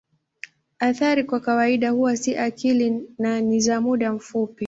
Athari kwa kawaida huwa si kali na ni za muda mfupi.